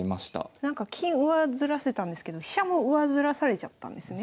なんか金上ずらせたんですけど飛車も上ずらされちゃったんですね。